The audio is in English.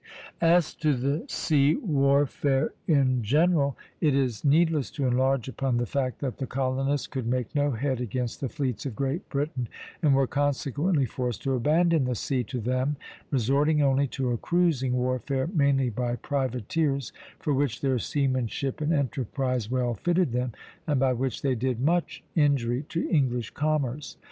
As to the sea warfare in general, it is needless to enlarge upon the fact that the colonists could make no head against the fleets of Great Britain, and were consequently forced to abandon the sea to them, resorting only to a cruising warfare, mainly by privateers, for which their seamanship and enterprise well fitted them, and by which they did much injury to English commerce.